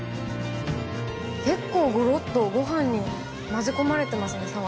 結構ゴロッとごはんに混ぜ込まれてますね